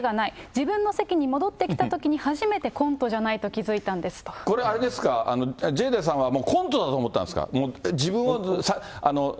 自分の席に戻ってきたときに、初めてコントじゃないと気付いたんこれ、あれですか、ジェイダさんはコントだと思ったんですか？